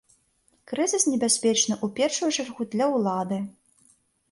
Крызіс небяспечны ў першую чаргу для ўлады.